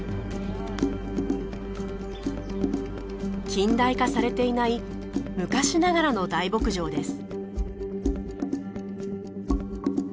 近代化されていない昔ながらの大牧場です。